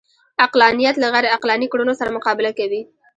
عقلانیت له غیرعقلاني کړنو سره مقابله کوي